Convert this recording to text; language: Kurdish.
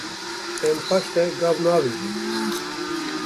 Em paş de gav naavêjin.